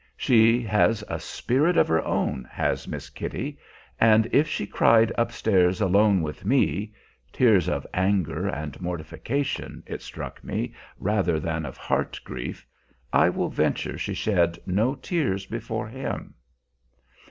She has a spirit of her own, has Miss Kitty, and if she cried up stairs alone with me, tears of anger and mortification, it struck me, rather than of heart grief, I will venture she shed no tears before him.